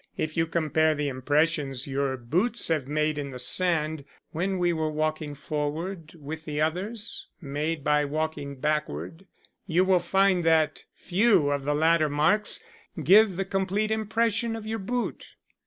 If you compare the impressions your boots have made in the sand when we were walking forward with the others made by walking backward, you will find that few of the latter marks give the complete impression of your boot."